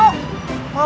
gue gak mau